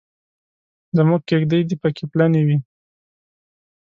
زموږ کېږدۍ دې پکې پلنې وي.